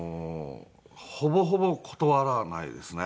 ほぼほぼ断らないですね。